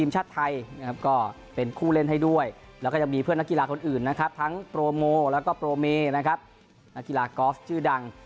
จับแรคเก็ตรร่วมกับเพื่อน